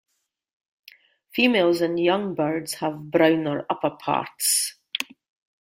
Females and young birds have browner upperparts.